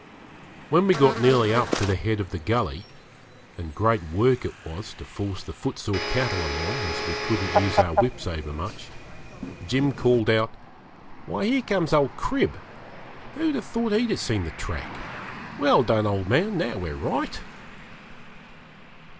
When we got nearly up to the head of the gully and great work it was to force the footsore cattle along, as we couldn't use our whips overmuch Jim called out 'Why, here comes old Crib. Who'd have thought he'd have seen the track? Well done, old man. Now we're right.'